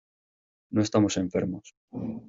no estamos enfermos.